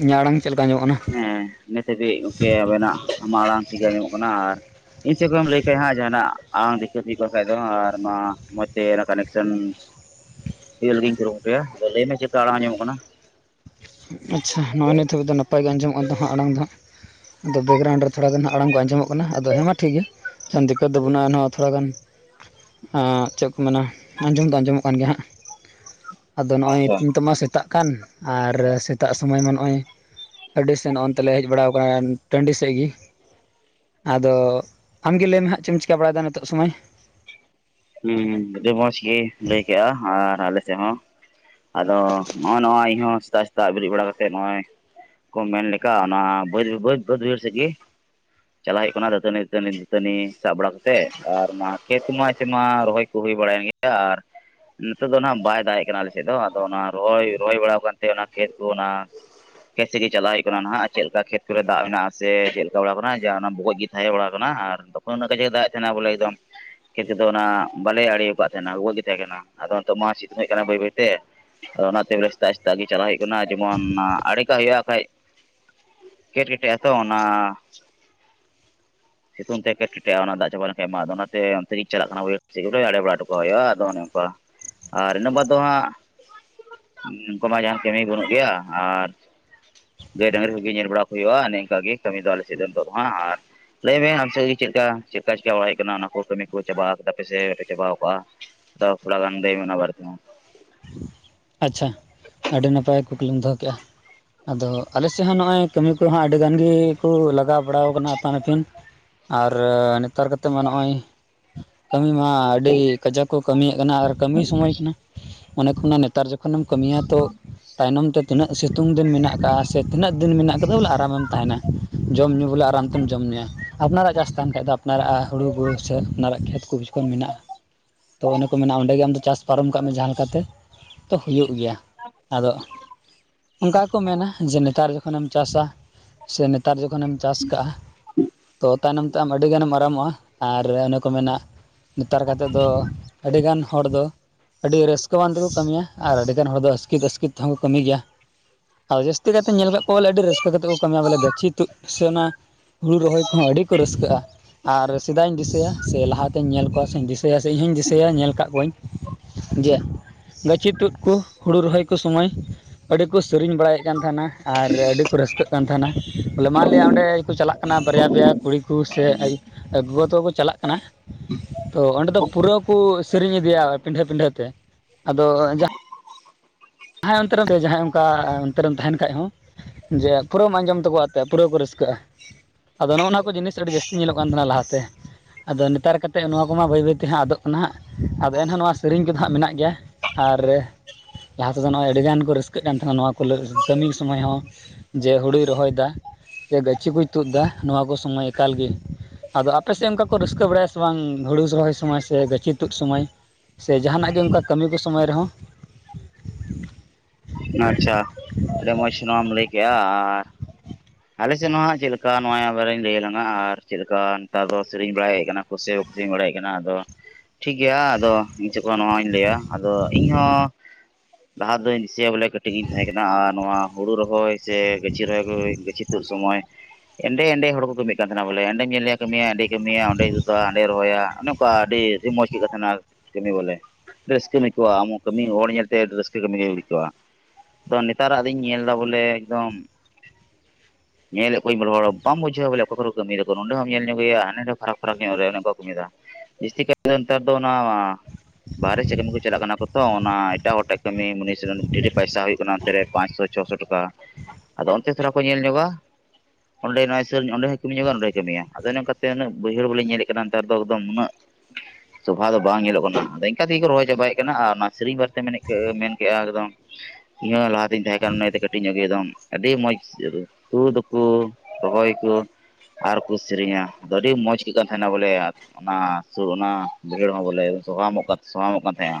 ᱤᱧᱟᱹᱜ ᱟᱲᱟᱝ ᱪᱮᱫ ᱞᱮᱠᱟ ᱟᱸᱡᱚᱢᱚᱜ ᱠᱟᱱᱟ ᱦᱮᱸ ᱱᱤᱛ ᱦᱷᱟᱹᱵᱤᱡ ᱜᱚᱝᱠᱮ ᱟᱵᱮᱱᱟᱜ ᱟᱢᱟᱜ ᱟᱲᱟᱝ ᱴᱷᱤᱠ ᱜᱮ ᱟᱸᱢᱚᱢᱚᱜ ᱠᱟᱱᱟ ᱟᱨ ᱤᱧ ᱥᱮᱫ ᱠᱷᱚᱡ ᱮᱢ ᱞᱟᱹᱭ ᱠᱷᱟᱡ ᱦᱟᱸᱜ ᱡᱟᱦᱟᱱᱟᱜ ᱟᱢᱲᱥᱝ ᱫᱤᱠᱟᱹᱛ ᱦᱩᱭᱩᱜ ᱠᱟᱱ ᱠᱷᱟᱡ ᱫᱚ ᱟᱨ ᱢᱟ ᱢᱚᱪᱛᱮ ᱚᱱᱟ ᱠᱟᱱᱮᱠ ᱥᱮᱱ- [unintelligible] ᱟᱫᱚ ᱞᱟᱹᱭ ᱢᱮ ᱪᱮᱫᱠᱟ ᱟᱲᱟᱜ ᱟᱸᱡᱚᱢᱚᱜ ᱠᱟᱱᱟ ᱟᱪᱪᱷᱟ ᱱᱚᱜᱼᱚᱭ ᱱᱤᱛ ᱦᱟᱹᱵᱤᱡ ᱫᱚ ᱱᱟᱯᱟᱭ ᱜᱮ ᱟᱸᱡᱚᱢᱚᱜᱼᱟ ᱫᱚ ᱦᱟᱸᱜ ᱟᱲᱟᱝ ᱫᱚ ᱦᱟᱸᱜ ᱟ ᱵᱮᱜᱽ ᱨᱟᱩᱱᱰ ᱨᱮ ᱛᱷᱚᱲᱟ ᱦᱟᱜ ᱟᱲᱟᱝ ᱠᱚ ᱟᱸᱡᱚᱢᱜ ᱠᱟᱱᱟ ᱟᱫᱚ ᱦᱮᱸ ᱢᱟ ᱴᱷᱤᱠ ᱜᱮᱭᱟ ᱫᱤᱠᱟᱹᱛ ᱫᱚ ᱵᱟᱹᱱᱩ-ᱟ ᱮᱱᱦᱚᱸ ᱛᱷᱚᱲᱟ ᱜᱟᱱ ᱪᱮᱫ ᱠᱚ ᱢᱮᱱᱟ ᱟᱸᱡᱚᱢ ᱫᱚ ᱟᱸᱡᱚᱢᱚᱜ ᱠᱟᱱ ᱜᱮᱭᱟ ᱦᱟᱸᱜ ᱟᱫᱚ ᱱᱚᱜᱼᱚᱭ ᱟᱪᱪᱷᱟ ᱱᱤᱛᱚᱜ ᱢᱟ ᱥᱮᱛᱟᱜ ᱠᱟᱱ ᱟᱨ ᱥᱮᱛᱟᱜ ᱥᱚᱢᱚᱭ ᱢᱟ ᱱᱚᱜᱼᱚᱭ ᱟᱹᱰᱤ ᱥᱮᱫ ᱱᱚᱚᱱᱛᱮᱞᱮ ᱦᱮᱡ ᱵᱟᱲᱟᱟᱣ ᱟᱠᱟᱱᱟ ᱴᱟᱺᱰᱤ ᱥᱮᱫ ᱜᱤ ᱟᱫᱚ ᱟᱢᱜᱮ ᱞᱟᱹᱭᱢᱮ ᱦᱟᱜ ᱪᱮᱢ ᱪᱤᱠᱟ ᱵᱟᱲᱟᱭ ᱫᱟ ᱱᱤᱛᱚᱜ ᱥᱚᱢᱚᱭ ᱦᱩᱸ ᱟᱹᱰᱤ ᱢᱚᱸᱡᱽ ᱜᱤ ᱞᱟᱹᱭ ᱠᱮᱫᱼᱟ ᱟᱨ ᱟᱞᱮ ᱥᱮᱫ ᱦᱚᱸ ᱟᱫᱚ ᱱᱚᱜᱼᱚᱭ ᱱᱚᱣᱟ ᱤᱧᱦᱚᱸ ᱥᱮᱛᱟᱜ ᱥᱮᱛᱟᱜ ᱵᱤᱨᱤᱫ ᱵᱟᱲᱟ ᱠᱟᱛᱮᱜ ᱱᱚᱜᱼᱚᱭ ᱠᱚ ᱢᱮᱱ ᱞᱮᱠᱟ ᱚᱱᱟ ᱵᱟᱹ ᱵᱟᱹ ᱵᱟᱹᱫᱽ ᱵᱤᱦᱟᱹᱲ ᱥᱮᱜ ᱜᱤ ᱪᱟᱞᱟᱜ ᱦᱩᱭᱩᱜ ᱠᱟᱱᱟ ᱫᱟᱹᱛᱟᱹᱱᱤ ᱫᱟᱹᱛᱟᱹᱱᱤ ᱫᱟᱹᱛᱟᱹᱱᱤ ᱥᱟᱵ ᱵᱟᱲᱟ ᱠᱟᱛᱮᱜ ᱟᱨ ᱢᱟ ᱠᱷᱮᱛ ᱢᱟ ᱛᱮ ᱢᱟ ᱨᱚᱦᱚᱭ ᱠᱚ ᱦᱩᱭ ᱵᱟᱲᱟᱭᱮᱱ ᱜᱮᱭᱟ ᱟᱨ ᱱᱤᱛᱚᱜ ᱫᱚ ᱱᱟᱜ ᱵᱟᱭ ᱫᱟ ᱮᱜ ᱠᱟᱱᱟ ᱟᱞᱮ ᱥᱮᱫ ᱫᱚ ᱟᱫᱚ ᱚᱱᱟ ᱨᱚᱦᱭ ᱨᱚᱦᱭ ᱵᱟᱲᱟ ᱠᱟᱱᱟᱱᱛᱮ ᱚᱱᱟ ᱠᱷᱮᱛ ᱠᱚ ᱚᱱᱟ ᱠᱷᱮᱛ ᱥᱮ ᱜᱮ ᱪᱟᱞᱟᱣ ᱦᱩᱭᱩᱜ ᱠᱟᱱᱟ ᱱᱟᱦᱟᱜ ᱪᱮᱫ ᱞᱮᱠᱟ ᱠᱷᱮᱛ ᱠᱚᱨᱮ ᱫᱟᱜ ᱢᱮᱱᱟᱜᱼᱟ ᱥᱮ ᱪᱮᱫ ᱞᱮᱠᱟ ᱵᱟᱲᱟ ᱠᱟᱱᱟ ᱚᱱᱟ ᱵᱩᱜᱚᱡ ᱜᱤ ᱛᱟᱦᱮᱸ ᱵᱟᱲᱟ ᱟᱠᱟᱱᱟ ᱟᱨ ᱛᱚᱠᱷᱚ ᱱᱚᱠᱟ ᱡᱮ ᱫᱟᱜ ᱛᱟᱦᱮᱱᱟ ᱵᱚᱞᱮ ᱮᱫᱚ ᱠᱷᱮᱫᱛ ᱥᱮᱫ ᱫᱚ ᱚᱱᱟ ᱵᱟᱞᱮ ᱟᱲᱮᱣ ᱠᱟᱜ ᱛᱟᱦᱮᱱᱟ ᱨᱣᱟᱹᱜ ᱜᱮ ᱛᱟᱦᱮᱸ ᱠᱟᱱᱟ ᱟᱫᱚ ᱱᱤᱛᱚᱜ ᱢᱟ ᱥᱤᱛᱩᱝ ᱦᱮᱡ ᱠᱟᱱᱟ ᱵᱟᱹᱭ ᱵᱟᱹᱭᱛᱮ ᱟᱫᱚ ᱚᱱᱟᱛᱮ ᱥᱮᱛᱟᱜ ᱮᱥᱛᱟᱜ ᱜᱮ ᱪᱟᱞᱟᱜ ᱦᱩᱭᱩᱜ ᱠᱟᱱᱟ ᱡᱮᱢᱚᱱ ᱟᱲᱮᱠᱟᱜ ᱦᱩᱭᱩᱜᱼᱟ ᱠᱷᱟᱡ ᱠᱮᱴ ᱠᱮᱴᱮ ᱟᱛᱚ ᱥᱤᱛᱩᱝ ᱛᱮ ᱠᱮᱴ ᱠᱮᱴᱮᱟ ᱚᱱᱟ ᱫᱟ ᱪᱟᱵᱟ ᱞᱮᱝᱠᱷᱟᱡ ᱢᱟ ᱱᱟᱛᱮ ᱛᱟᱹᱨᱠ ᱪᱟᱞᱟᱜ ᱠᱟᱱᱟ [unintelligible] ᱟᱲᱮ ᱵᱟᱲᱟ ᱦᱚᱴᱚ ᱠᱟᱜ ᱦᱩᱭᱩᱜᱼᱟ ᱟᱫᱚ ᱚᱱᱮ ᱚᱝᱠᱟ ᱟᱨ ᱤᱱᱟᱹᱜ ᱵᱟᱫᱽ ᱫᱚ ᱦᱟᱸᱜ ᱱᱚᱝᱠᱩ ᱢᱟ ᱡᱟᱦᱟᱱ ᱠᱟᱹᱢᱤ ᱵᱟᱹᱱᱩᱜ ᱜᱮᱭᱟ ᱟᱨ ᱜᱟᱹᱭ ᱰᱟᱝᱨᱤ ᱠᱚᱜᱮ ᱧᱮᱞ ᱵᱟᱲᱟ ᱠᱚ ᱦᱩᱭᱩᱜᱼᱟ ᱮᱱᱮᱡ ᱮᱝᱠᱟ ᱜᱮ ᱠᱟᱹᱢᱤ ᱫᱚ ᱟᱞᱮ ᱥᱮᱡ ᱫᱚ ᱱᱤᱛᱚᱜ ᱫᱚ ᱦᱟᱸᱜ ᱟᱨ ᱞᱟᱹᱭᱮ ᱟᱢ ᱥᱮᱫ ᱜᱤ ᱪᱮᱫ ᱞᱮᱠᱟ ᱪᱮᱫᱠᱟ ᱪᱤᱠᱟ ᱵᱟᱲᱟᱭ ᱦᱩᱭᱩᱜ ᱠᱟᱱᱟ ᱚᱱᱟ ᱠᱚ ᱠᱟᱹᱢᱤ ᱠᱚ ᱪᱟᱵᱟ ᱠᱮᱷᱟᱫ ᱯᱮᱥᱮ ᱯᱮ ᱪᱟᱵᱟᱟᱣ ᱠᱚᱜᱼᱟ ᱛᱷ ᱛᱷᱚᱲᱟ ᱜᱟᱱ ᱞᱟᱹᱭ ᱢᱮ ᱵᱟᱨᱮ ᱛᱮᱦᱚᱸ ᱟᱪᱪᱷᱟ ᱟᱹᱰᱤ ᱱᱟᱯᱟᱭ ᱠᱩᱠᱞᱤᱢ ᱫᱚᱦᱚ ᱠᱮᱫᱼᱟ ᱟᱫᱚ ᱟᱞᱮᱥᱮᱫ ᱦᱚᱸ ᱱᱚᱜ ᱚᱭ ᱠᱟᱹᱢᱤ ᱠᱚ ᱦᱟᱸᱜ ᱟᱹᱰᱤ ᱜᱟᱱ ᱜᱤ ᱠᱩ ᱞᱟᱜᱟᱣ ᱵᱟᱲᱟᱣ ᱠᱟᱱᱟ ᱟᱯᱟᱱ ᱟᱹᱯᱤᱱ ᱟᱨ ᱱᱮᱛᱟᱨ ᱠᱟᱛᱮᱢᱟ ᱱᱚᱜᱼᱚᱭ ᱠᱟᱹᱢᱤ ᱢᱟ ᱟᱹᱰᱤ ᱠᱟᱡᱟᱠ ᱠᱚ ᱠᱟᱹᱢᱤᱭᱮᱫ ᱠᱟᱱᱟ ᱟᱨ ᱠᱟᱹᱢᱤ ᱥᱚᱢᱚᱭ ᱠᱟᱱᱟ ᱚᱱᱮ ᱠᱚ ᱱᱮᱛᱟᱨ ᱠᱷᱚᱱᱮᱢ ᱠᱟᱹᱢᱤᱭᱟ ᱛᱚ ᱛᱟᱭᱱᱚᱢ ᱛᱮ ᱛᱤᱱᱟᱹᱜ ᱥᱤᱛᱩᱝ ᱫᱤᱱ ᱢᱮᱱᱟᱜ ᱟᱠᱟᱜ-ᱟ ᱥᱮ ᱛᱤᱱᱟᱹᱜ ᱫᱤᱱ ᱢᱮᱱᱟᱜ ᱟᱠᱟᱫᱟ ᱵᱚᱞᱮ ᱟᱨᱟᱢᱮᱢ ᱛᱟᱦᱮᱱᱟ ᱡᱚᱢ ᱧᱩ ᱵᱚᱞᱮ ᱟᱨᱟᱢ ᱛᱮᱢ ᱡᱚᱢ ᱧᱩᱭᱟ ᱟᱯᱱᱟᱨᱟᱜ ᱪᱟᱥ ᱛᱟᱦᱮᱱ ᱠᱷᱟᱱ ᱫᱚ ᱚᱱᱟᱨᱟᱜ ᱦᱩᱲᱩ [unintelligible] ᱥᱮ ᱟᱯᱟᱱᱟᱨᱟᱜ ᱠᱷᱮᱛ ᱠᱚ ᱠᱤᱪᱷᱩᱜᱟᱱ ᱢᱮᱱᱟᱜᱼᱟ ᱛᱚ ᱚᱱᱮ ᱠᱚ ᱢᱮᱱᱟ ᱚᱸᱰᱮ ᱜᱮ ᱟᱢᱫᱚ ᱪᱟᱥ ᱯᱟᱨᱚᱢ ᱠᱟᱜ ᱢᱮ ᱡᱟᱦᱟᱸ ᱞᱮᱠᱟᱛᱮ ᱛᱚ ᱦᱩᱭᱩᱜ ᱜᱮᱭᱟ ᱟᱫᱚ ᱚᱱᱠᱟ ᱜᱮ ᱠᱚ ᱢᱮᱱᱟ ᱡᱮ ᱱᱮᱛᱟᱨ ᱡ ᱡᱚᱠᱷᱚᱱᱮᱢ ᱪᱟᱥᱟ ᱥᱮ ᱱᱮᱛᱟᱨ ᱡᱚᱠᱷᱚᱱᱮᱢ ᱪᱟᱥ ᱠᱟᱜᱼᱟ ᱛᱚ ᱛᱟᱭᱱᱚᱢ ᱛᱮ ᱟᱢ ᱟᱹᱰᱤᱜᱟᱱᱮᱢ ᱟᱨᱟᱢᱚᱜᱼᱟ ᱟᱨ ᱚᱱᱮ ᱠᱚ ᱢᱮᱱᱟ ᱱᱮᱛᱟᱨ ᱜᱟᱛᱮ ᱫᱚ ᱟᱹᱰᱤ ᱜᱟᱱ ᱦᱚᱲ ᱫᱚ ᱟᱹᱰᱤ ᱨᱟᱹᱥᱠᱟᱹᱣᱟᱱ ᱫᱷᱩ ᱠᱟᱹᱢᱤᱭᱟ ᱟᱨ ᱟᱹᱰᱤᱜᱟᱱ ᱦᱚᱲ ᱫᱚ ᱟᱥᱠᱮᱛ ᱟᱥᱠᱮᱛ ᱛᱮᱦᱚᱸ ᱠᱚ ᱠᱟᱹᱢᱤ ᱜᱮᱭᱟ ᱟᱫᱚ ᱡᱟᱹᱥᱛᱤ ᱠᱟᱛᱮ ᱧᱮᱞ ᱠᱟᱜ ᱠᱚᱣᱟ ᱵᱚᱞᱮ ᱟᱹᱰᱤ ᱨᱟᱹᱥᱠᱟᱹ ᱠᱟᱛᱮ ᱠᱚ ᱠᱟᱹᱢᱤᱭᱟ ᱵᱚᱞᱮ ᱜᱟᱹᱪᱷᱤ ᱛᱩᱜ ᱥᱮ ᱚᱱᱟ ᱦᱩᱲᱩ ᱨᱚᱦᱚᱭ ᱠᱚᱦᱚᱸ ᱟᱹᱰᱤ ᱠᱚ ᱨᱟᱹᱥᱠᱟᱹᱜᱼᱟ ᱟᱨ ᱥᱮᱫᱟᱭ ᱤᱧ ᱫᱤᱥᱟᱹᱭᱟ ᱥᱮ ᱞᱟᱦᱟᱛᱤᱧ ᱧᱮᱞ ᱠᱚᱣᱟ ᱥᱮ ᱫᱤᱥᱟᱹᱭᱟ ᱥᱮ ᱤᱧᱦᱚᱧ ᱫᱤᱥᱟᱹᱭᱟ ᱧᱮᱞ ᱟᱠᱟᱫ ᱠᱚᱣᱟᱧ ᱡᱮ ᱜᱟᱹᱪᱷᱤ ᱛᱩᱫ ᱠᱚ ᱦᱩᱲᱩ ᱨᱚᱦᱚᱭ ᱠᱚ ᱥᱚᱢᱚᱭ ᱟᱹᱰᱤ ᱠᱚ ᱥᱮᱨᱮᱧ ᱵᱟᱲᱟᱭᱮᱫ ᱠᱟᱱ ᱛᱟᱦᱮᱱᱟ ᱟᱨ ᱟᱹᱰᱤ ᱠᱚ ᱨᱟᱹᱥᱠᱟᱹᱜ ᱠᱟᱱ ᱛᱟᱦᱮᱱᱟ ᱵᱚᱞᱮ ᱢᱟᱱᱞᱤᱭᱟ ᱚᱸᱰᱮ ᱠᱚ ᱪᱟᱞᱟᱜ ᱠᱟᱱᱟ ᱠᱟᱱᱟ ᱵᱟᱨᱭᱟ ᱵᱟᱨᱭᱟ ᱠᱩᱲᱤ ᱠᱚ ᱥᱮ ᱜᱚᱜᱚ ᱛᱟᱠᱚᱠᱚ ᱪᱟᱞᱟᱜ ᱠᱟᱱᱟ ᱛᱚ ᱚᱸᱰᱮ ᱫᱚ ᱯᱩᱨᱟᱹ ᱠᱚ ᱥᱮᱨᱮᱧ ᱤᱫᱤᱭᱟ ᱯᱤᱸᱰᱷᱟᱹ ᱯᱤᱸᱰᱷᱟᱹ ᱛᱮ ᱟᱫᱚ ᱡᱟᱦᱟᱸ ᱡᱟᱦᱟᱸᱭ ᱚᱱᱛᱮ ᱨᱮ ᱡᱟᱦᱟᱸᱭ ᱚᱱᱠᱟ ᱚᱱᱛᱮ ᱨᱮᱢ ᱛᱟᱦᱮᱱ ᱠᱷᱟᱡ ᱦᱚᱸ ᱡᱮ ᱯᱩᱨᱟᱹᱢ ᱟᱸᱡᱚᱢ ᱛᱟᱠᱚᱣᱟ ᱯᱩᱨᱟᱹ ᱠᱚ ᱨᱟᱹᱥᱠᱟᱹᱜᱼᱟ ᱟᱫᱚ ᱱᱚᱜᱼᱚ ᱱᱚᱣᱟ ᱠᱚ ᱡᱤᱱᱤᱥ ᱟᱹᱰᱤ ᱡᱟᱹᱥᱛᱤ ᱧᱮᱞᱚᱜ ᱠᱟᱱ ᱛᱟᱦᱮᱱᱟ ᱞᱟᱦᱟᱛᱮ ᱟᱫᱚ ᱱᱮᱛᱟᱨ ᱠᱟᱛᱮᱫ ᱱᱚᱣᱟ ᱠᱚᱢᱟ ᱵᱟᱹᱭ ᱵᱟᱹᱭ ᱛᱮᱦᱟᱸᱜ ᱟᱫᱚᱜ ᱠᱟᱱᱟ ᱦᱟᱸᱜ ᱟᱫᱚ ᱮᱱᱦᱚᱸ ᱱᱚᱣᱟ ᱥᱮᱨᱮᱧ ᱠᱚᱫᱚ ᱦᱟᱸᱜ ᱢᱮᱱᱟᱜ ᱜᱮᱭᱟ ᱟᱨ ᱞᱟᱦᱟ ᱛᱮᱫᱚ ᱱᱚᱜᱼᱚᱭ ᱟᱹᱰᱤᱜᱟᱱ ᱠᱚ ᱨᱟᱹᱥᱠᱟᱹᱜ ᱠᱟᱱ ᱛᱟᱦᱮᱱᱟ ᱱᱚᱣᱟ ᱠᱚ ᱠᱟᱹᱢᱤ ᱥᱚᱢᱚᱭ ᱦᱚᱸ ᱡᱮ ᱦᱩᱲᱩᱭ ᱨᱚᱦᱚᱭᱮᱫᱟ ᱥᱮ ᱜᱟᱹᱪᱷᱤ ᱠᱚᱭ ᱛᱩᱫ ᱫᱟ ᱱᱚᱣᱟ ᱠᱚ ᱥᱚᱢᱚᱭ ᱮᱠᱟᱞ ᱜᱮ ᱟᱫᱚ ᱟᱯᱮ ᱥᱮᱫ ᱚᱱᱠᱟ ᱠᱚ ᱨᱟᱹᱥᱠᱟᱹ ᱵᱟᱲᱟᱭᱟ ᱥᱮ ᱵᱟᱝ ᱦᱩᱲᱩ ᱨᱚᱦᱚᱭ ᱥᱚᱢᱚᱭ ᱥᱮ ᱜᱟᱹᱪᱷᱤ ᱛᱩᱫ ᱥᱚᱢᱚᱭ? ᱥᱮ ᱡᱟᱦᱟᱱᱟᱜ ᱜᱮ ᱚᱱᱠᱟ ᱠᱟᱹᱢᱤ ᱠᱚ ᱥᱚᱢᱚᱭ ᱨᱮᱦᱚᱸ? ᱟᱪᱷᱟ ᱟᱹᱰᱤ ᱢᱚᱡ ᱱᱚᱣᱟᱢ ᱞᱟᱹᱭ ᱠᱮᱼᱟ ᱟᱞᱮ ᱥᱮᱫ ᱢᱟ ᱦᱟᱸᱜ ᱪᱮᱫ ᱞᱮᱠᱟ ᱱᱚᱣᱟ ᱵᱟᱨᱮᱧ ᱞᱟᱹᱭ ᱟᱞᱝᱱᱟ ᱟᱨ ᱪᱮᱫ ᱞᱮᱠᱟ ᱱᱮᱛᱟᱨ ᱫᱚ ᱥᱮᱨᱮᱧ ᱵᱟᱲᱟᱭᱮᱜ ᱠᱟᱱᱟ ᱠᱚᱥᱮ ᱵᱟᱠᱚ ᱥᱮᱨᱮᱧ ᱵᱟᱲᱟᱭᱮᱫ ᱠᱟᱱᱟ ᱟᱫᱚ ᱴᱷᱤᱠ ᱜᱮᱭᱟ ᱟᱫᱚ ᱪᱮᱫ ᱠᱚ ᱱᱚᱣᱟᱧ ᱞᱟᱹᱭᱟ ᱟᱫᱚ ᱤᱧ ᱦᱚᱸ ᱞᱟᱦᱟ ᱫᱚᱧ ᱥᱤᱭᱟᱹ ᱵᱚᱞᱮ ᱠᱟᱹᱴᱤᱡ ᱤᱧ ᱛᱟᱦᱮᱸ ᱠᱟᱱᱟ ᱟᱨ ᱱᱚᱣᱟ ᱦᱩᱲᱩ ᱨᱚᱦᱚᱭ ᱥᱮ ᱜᱟᱹᱪᱷᱤ ᱨᱚᱦᱚᱭ ᱠᱚ ᱜᱟᱹᱪᱷᱤ ᱛᱩᱫ ᱥᱚᱢᱚᱭ ᱮᱸᱰᱮ ᱮᱸᱰᱮ ᱦᱚᱲ ᱠᱚ ᱠᱟᱹᱢᱤᱭᱮᱜ ᱠᱟᱱ ᱛᱟᱦᱮᱱᱟ ᱵᱚᱞᱮ ᱚᱸᱰᱮᱢ ᱧᱮᱞᱮᱭᱟ ᱠᱟᱹᱢᱤᱭᱟ ᱟᱹᱰᱤ ᱠᱟᱹᱢᱤᱭᱟ ᱚᱸᱰᱮᱭ ᱡᱩᱛᱟ ᱚᱸᱰᱮ ᱨᱚᱦᱚᱭᱟ ᱚᱱᱮ ᱚᱱᱠᱟ ᱟᱹᱰᱤ ᱟᱹᱰᱤ ᱢᱚᱸᱡᱽ ᱛᱟᱦᱮᱱᱟ ᱠᱟᱹᱢᱤ ᱵᱚᱞᱮ ᱨᱤᱥᱠᱟᱹᱢ ᱤᱠᱟᱹᱣᱟ ᱟᱢᱦᱚᱸ ᱠᱟᱹᱢᱤ ᱦᱚᱲ ᱧᱮᱞ ᱛᱮ ᱨᱤᱥᱠᱟᱹ ᱜᱮᱢ ᱟᱹᱭᱠᱟᱹᱣᱟ ᱟᱫᱚ ᱱᱮᱛᱟᱨᱟᱜ ᱫᱚᱧ ᱧᱮᱞ ᱮᱫᱟ ᱵᱚᱞᱮ ᱮᱠᱫᱚᱢ ᱧᱮᱞᱮᱫ ᱠᱚᱣᱟᱧ ᱦᱚᱲ ᱵᱟᱢ ᱵᱩᱡᱷᱟᱹᱣᱟ ᱵᱚᱞᱮ ᱚᱠᱟ ᱠᱚᱨᱮ ᱠᱟᱹᱢᱤᱭᱟᱠᱚ ᱱᱚᱸᱰᱮ ᱦᱚᱸᱢ ᱧᱮᱞ ᱧᱚᱜᱮᱭᱟ ᱦᱟᱸᱰᱮ ᱯᱷᱟᱨᱟᱠ ᱯᱷᱟᱨᱟᱠᱚ ᱨᱮ ᱠᱟᱹᱢᱤ ᱮᱫᱟ ᱵᱤᱥᱤ ᱠᱟᱹᱭᱛᱮ ᱱᱮᱛᱟᱨ ᱫᱚ ᱚᱱᱟ ᱵᱟᱦᱨᱮ ᱥᱮᱫ ᱠᱟᱹᱢᱤ ᱠᱚ ᱪᱟᱞᱟᱜ ᱠᱟᱱᱟ ᱠᱚ ᱛᱚ ᱚᱱᱟ ᱮᱴᱟᱜ ᱦᱚᱲᱴᱮᱡ ᱠᱟᱹᱢᱤ ᱢᱚᱱᱤᱥ ᱰᱷᱮᱨ ᱰᱷᱮᱨ ᱯᱚᱭᱥᱟ ᱦᱩᱭᱩᱜ ᱠᱟᱱᱟ ᱚᱱᱛᱮ ᱨᱮ ᱯᱟᱸᱪᱥᱚ ᱪᱷᱚᱥᱚ ᱴᱟᱠᱟ ᱟᱫᱚ ᱚᱱᱛᱮ ᱛᱷᱟᱨᱟ ᱠᱚ ᱧᱮᱞ ᱧᱚᱜᱟ ᱚᱸᱰᱮ ᱱᱚᱣᱟ [unintelligible] ᱱᱚᱰᱮ ᱦᱚᱸᱭ ᱠᱟᱹᱢᱤ ᱧᱚᱜᱟ ᱚᱸᱰᱮᱭ ᱠᱟᱹᱢᱤᱭᱟ ᱟᱫᱚ ᱱᱚᱝᱠᱟᱛᱮ ᱩᱱᱟᱹᱜ ᱵᱟᱹᱭᱦᱟᱹᱲ ᱵᱚᱞᱤ ᱧᱮᱞᱮᱫ ᱠᱟᱱᱟᱮᱛᱟᱨ ᱫᱚ ᱮᱠᱚᱢ ᱩᱱᱟᱹᱜ [unintelligible] ᱥᱚᱵᱷᱟ ᱫᱚ ᱵᱟᱝ ᱧᱮᱞᱚᱜ ᱠᱟᱱᱟ ᱟᱫᱚ ᱤᱱᱠᱟ ᱛᱮᱜᱮᱠᱚ ᱨᱚᱦᱚᱭ ᱪᱟᱵᱟᱭᱮᱜ ᱠᱟᱱᱟ ᱟᱨ ᱚᱱᱟ ᱥᱮᱨᱮᱧ ᱵᱟᱨᱮᱛᱮ ᱢᱮᱱ ᱢᱮᱱ ᱠᱮᱫᱼᱟ ᱮᱠᱫᱚᱢ ᱤᱧ ᱦᱚᱸ ᱞᱟᱦᱟᱛᱤᱧ ᱛᱟᱦᱮᱸ ᱠᱟᱱᱟ ᱱᱛᱮ ᱠᱟᱹᱴᱤᱡ ᱧᱚᱜ ᱜᱮ ᱮᱜᱫᱚᱢ ᱟᱹᱰᱤ ᱢᱚᱸᱡᱽ ᱠᱩ ᱫᱚᱠᱚ ᱨᱚᱦᱚᱭ ᱠᱚ ᱟᱨᱠᱚ ᱥᱮᱨᱮᱧᱟ ᱟᱹᱰᱤ ᱢᱚᱸᱡᱽ ᱟᱹᱭᱠᱟᱹᱜ ᱛᱟᱦᱮᱱᱟ ᱵᱚᱞᱮ ᱚᱱᱟ ᱥᱚᱞ ᱚᱱᱟ ᱵᱟᱹᱭᱦᱟᱹᱲ ᱦᱚᱸᱵᱚᱞᱮ ᱥᱚᱦᱟᱢᱚᱜ ᱠᱟᱱ ᱛᱟᱦᱮᱸᱱᱟ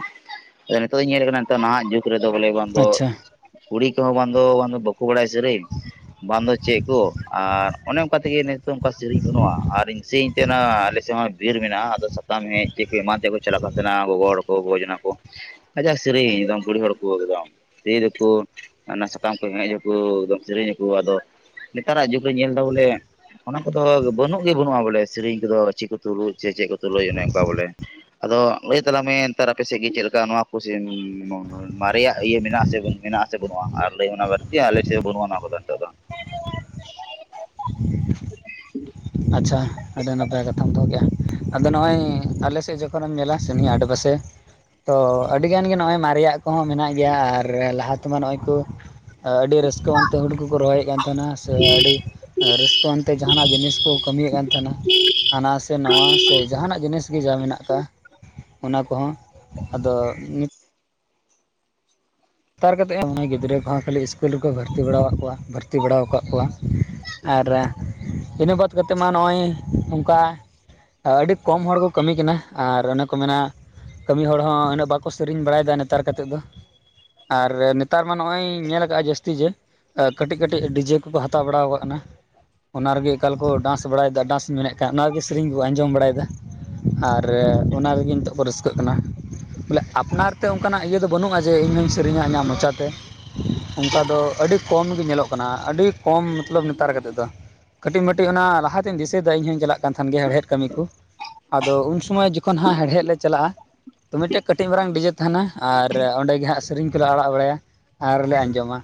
ᱟᱫᱚ ᱱᱤᱛᱚᱜ ᱫᱚᱧ ᱧᱮᱞ ᱠᱟᱱᱟ ᱱᱤᱛᱚᱜ ᱱᱟᱦᱟᱜ ᱡᱩᱜᱽ ᱫᱚ ᱵᱚᱞᱮ ᱵᱟᱝ ᱫᱚ ᱟᱪᱪᱷᱟ ᱠᱩᱲᱤ ᱠᱚᱦᱚᱸ ᱵᱟᱝ ᱵᱟᱠᱚ ᱵᱟᱲᱟᱭ ᱥᱮᱨᱮᱧ ᱵᱟᱝᱫᱚ ᱪᱮᱫ ᱠᱚ ᱟᱨ ᱚᱱᱮ ᱚᱱᱠᱟ ᱛᱮᱜᱮ ᱱᱤᱛᱚᱜ ᱚᱱᱠᱟ ᱥᱮᱨᱮᱧ ᱵᱟᱹᱱᱩᱜᱼᱟ ᱟᱨ ᱤᱧ ᱥᱮᱨᱮᱧ ᱛᱟᱦᱮᱱᱟ ᱟᱞᱮ ᱥᱮᱫ ᱦᱚᱸ ᱵᱤᱨ ᱢᱮᱱᱟᱜᱼᱟ ᱟᱫᱚ ᱥᱟᱯᱟᱢ ᱦᱮᱡ ᱛᱮ ᱮᱢᱟᱱ ᱛᱮ ᱠᱚ ᱪᱟᱞᱟᱜ ᱠᱟᱱ ᱛᱟᱦᱮᱱᱟ ᱜᱚᱜᱚ ᱦᱚᱲ ᱠᱚ ᱵᱚᱡᱱᱟ ᱠᱚ ᱟᱡᱷᱟ ᱥᱮᱨᱮᱧ ᱮᱫᱚᱢ ᱠᱩᱲᱤ ᱦᱚᱲ ᱠᱚ ᱮᱠᱫᱚᱢ ᱞᱟᱹᱭ ᱫᱟᱠᱚ ᱚᱱᱟ ᱥᱟᱠᱟᱢ ᱠᱚ ᱦᱮᱡ ᱟᱠᱚ ᱮᱠᱫᱚᱢ ᱥᱮᱨᱮᱧ ᱟᱠᱚ ᱟᱫᱚ ᱱᱮᱛᱟᱨᱟᱜ ᱡᱩᱜᱽ ᱨᱮᱧ ᱧᱮᱞ ᱮᱫᱟ ᱵᱚᱞᱮ ᱚᱱᱟ ᱠᱚᱫᱚ ᱵᱟᱹᱱᱩᱜ ᱜᱮ ᱵᱟᱹᱱᱩᱜᱼᱟ ᱵᱚᱞᱮ ᱥᱮᱨᱮᱧ ᱠᱚᱫᱚ ᱪᱮᱫ ᱠᱚ ᱛᱩᱞᱩᱡ ᱥᱮ ᱪᱮᱫ ᱠᱚ ᱛᱩᱞᱩᱡ ᱚᱱᱮ ᱚᱱᱠᱟ ᱵᱚᱞᱮ ᱟᱫᱚ ᱞᱟᱹᱭ ᱛᱟᱞᱟᱝ ᱢᱮ ᱱᱮᱛᱟᱨ ᱟᱯᱮ ᱥᱮᱫ ᱜᱮ ᱪᱮᱫ ᱞᱮᱠᱟ ᱱᱚᱣᱟ ᱠᱩᱥᱤ? ᱢᱟᱨᱮᱭᱟᱜ ᱤᱭᱟᱹ ᱢᱮᱱᱟᱜᱼᱟ ᱟᱥᱮ ᱢᱮᱱᱟᱜᱼᱟ ᱟᱥᱮ ᱵᱟᱹᱱᱩᱜᱼᱟ ᱟᱨ ᱞᱟᱹᱭ ᱚᱱᱟ ᱵᱟᱹᱲᱛᱤ ᱟᱞᱮᱥᱮᱫ ᱫᱚ ᱵᱟᱹᱱᱩᱜᱼᱟ ᱚᱱᱟ ᱠᱚᱫᱚ ᱱᱮᱛᱚᱜ ᱫᱚ [inaudible] ᱟᱪᱪᱷᱟ ᱟᱹᱰᱤ ᱱᱟᱯᱟᱭ ᱠᱟᱛᱷᱟᱢ ᱫᱚᱦᱚ ᱠᱼᱟ ᱟᱫᱚ ᱱᱚᱜᱼᱚᱭ ᱟᱞᱮ ᱥᱮᱫ ᱡᱚᱠᱷᱚᱱᱮᱢ ᱧᱮᱞᱟ ᱥᱮ ᱱᱤᱭᱟᱹ ᱟᱰᱮᱯᱟᱥᱮ ᱛᱚ ᱟᱹᱰᱤᱜᱟᱱ ᱜᱮ ᱱᱚᱜᱼᱚᱭ ᱢᱟᱨᱮᱭᱟᱜ ᱠᱚᱦᱚᱸ ᱢᱮᱱᱟᱜ ᱜᱮᱭᱟ ᱟᱨ ᱞᱟᱦᱟ ᱛᱮᱢᱟ ᱱᱚᱜᱼᱚᱸᱚᱭ ᱠᱚ ᱟᱹᱰᱤ ᱨᱟᱹᱥᱠᱟᱹᱣᱱᱛᱮ ᱦᱩᱲᱳ ᱠᱚᱠᱚ ᱨᱚᱦᱚᱭᱮᱫ ᱠᱟᱱ ᱛᱟᱦᱮᱱᱟ ᱥᱮ ᱟᱹᱰᱤ ᱨᱟᱹᱥᱠᱟᱹ ᱟᱱᱛᱮ ᱡᱟᱦᱟᱱᱟᱜ ᱡᱤᱱᱤᱥ ᱠᱚ ᱠᱟᱹᱢᱤᱭᱮᱫ ᱠᱟᱱ ᱛᱟᱦᱮᱱᱟ ᱦᱟᱱᱟ ᱥᱮ ᱱᱟᱣᱟ ᱥᱮ ᱡᱟᱦᱟᱱᱟᱜ ᱡᱤᱱᱤᱥ ᱜᱮ ᱡᱟ ᱢᱮᱱᱟᱜ ᱟᱠᱟᱫ ᱚᱱᱟ ᱠᱚᱦᱚᱸ ᱟᱫᱚ ᱱᱤᱛ ᱞᱟᱛᱟᱨ ᱠᱟᱛᱮᱫ ᱦᱚᱸ ᱜᱤᱫᱽᱨᱟᱹ ᱠᱚᱦᱚᱸ ᱠᱷᱟᱹᱞᱤ ᱤᱥᱠᱩᱞ ᱨᱮᱠᱚ ᱵᱷᱚᱨᱛᱤ ᱵᱟᱲᱟᱟᱜ ᱠᱚᱣᱟ ᱵᱷᱚᱨᱛᱤ ᱵᱟᱲᱟᱟᱣ ᱟᱠᱟᱫ ᱠᱚᱣᱟ ᱟᱨ ᱤᱱᱟᱹ ᱵᱟᱫᱽ ᱠᱟᱛᱮᱫ ᱢᱟ ᱱᱚᱜᱼᱚᱭ ᱱᱚᱝᱠᱟ ᱟᱹᱰᱤ ᱠᱚᱢ ᱦᱚᱲ ᱠᱚ ᱠᱟᱹᱢᱤ ᱠᱟᱱᱟ ᱟᱨ ᱚᱱᱮ ᱠᱚ ᱢᱮᱱᱟ ᱠᱟᱹᱢᱤ ᱦᱚᱲ ᱦᱚᱸ ᱩᱱᱟᱹᱜ ᱵᱟᱠᱚ ᱥᱮᱨᱮᱧ ᱵᱟᱲᱟᱭᱮᱫᱟ ᱱᱮᱛᱟᱨ ᱠᱟᱛᱮᱫ ᱫᱚ ᱟᱨ ᱱᱮᱛᱟᱨ ᱢᱟ ᱱᱚᱜᱼᱚᱭ ᱧᱮᱞ ᱟᱠᱟᱟᱜᱼᱟ ᱡᱟᱹᱥᱛᱤ ᱡᱮ ᱠᱟᱹᱴᱤᱡ ᱠᱟᱹᱴᱤᱡ ᱰᱤᱡᱮ ᱠᱚᱠᱚ ᱦᱟᱛᱟᱣ ᱵᱟᱲᱟ ᱠᱟᱜ ᱠᱟᱱᱟ ᱚᱱᱟ ᱨᱮᱜᱮ ᱮᱠᱟᱞ ᱠᱚ ᱰᱟᱱᱥ ᱵᱟᱲᱟᱭᱮᱫᱟ ᱰᱟᱱᱥ ᱢᱮᱱᱮᱫ ᱠᱷᱟᱱ ᱚᱱᱟ ᱨᱮᱜᱮ ᱥᱮᱨᱮᱧ ᱠᱚ ᱟᱸᱡᱚᱢ ᱵᱟᱲᱟᱭᱮᱫᱟ ᱟᱨ ᱚᱱᱟ ᱨᱮᱜᱮ ᱱᱤᱛᱚᱜ ᱠᱚ ᱨᱟᱹᱥᱠᱟᱹᱜ ᱠᱟᱱᱟ ᱵᱚᱞᱮ ᱟᱯᱱᱟᱨ ᱛᱮ ᱚᱱᱠᱟᱱᱟᱜ ᱤᱭᱟᱹ ᱫᱚ ᱵᱟᱹᱱᱩᱜᱼᱟ ᱡᱮ ᱤᱧ ᱦᱚᱧ ᱥᱮᱨᱮᱧᱟ ᱤᱧᱟᱹᱜ ᱢᱚᱪᱟᱛᱮ ᱚᱱᱠᱟ ᱫᱚ ᱟᱹᱰᱤ ᱠᱚᱢ ᱜᱮ ᱧᱮᱞᱚᱜ ᱠᱟᱱᱟ ᱟᱹᱰᱤ ᱠᱚᱢ ᱢᱚᱛᱞᱚᱵ ᱱᱮᱛᱟᱨ ᱠᱟᱛᱮᱫ ᱫᱚ ᱠᱟᱹᱴᱤᱡ ᱢᱟᱹᱤᱡ ᱚᱱᱟ ᱞᱟᱦᱟᱛᱤᱧ ᱫᱤᱥᱟᱹᱭᱮᱫᱟ ᱤᱧ ᱦᱚᱧ ᱪᱟᱞᱟᱜ ᱠᱟᱱ ᱛᱟᱦᱮᱱ ᱜᱮᱭᱟ ᱦᱮᱲᱦᱮᱫ ᱠᱟᱹᱢᱤ ᱠᱚ ᱟᱫᱚ ᱩᱱ ᱥᱚᱢᱚᱭ ᱡᱚᱠᱷᱚᱱ ᱦᱟᱸᱜ ᱦᱮᱲᱦᱮᱫ ᱞᱮ ᱪᱟᱞᱟᱜᱼᱟ ᱛᱚ ᱢᱤᱜᱴᱮᱡ ᱠᱟᱹᱴᱤᱡ ᱢᱟᱨᱟᱝ ᱰᱤᱡᱮ ᱛᱟᱦᱮᱸᱱᱟ ᱟᱨ ᱚᱸᱰᱮ ᱜᱮ ᱦᱟᱸᱜ ᱥᱮᱨᱮᱧ ᱠᱚᱞᱮ ᱟᱲᱟᱜ ᱵᱟᱲᱟᱭᱟ ᱟᱨ ᱞᱮ ᱟᱸᱡᱚᱢᱟ